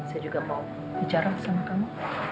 saya juga mau bicara sama kamu